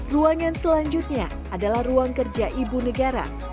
ruangan selanjutnya adalah ruang kerja ibu negara